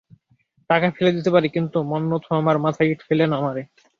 টাকা ফেলে দিতে পারি, কিন্তু মন্মথ আমার মাথায় ইঁট ফেলে না মারে।